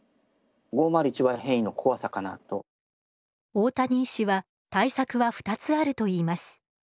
大谷医師は対策は２つあると言います。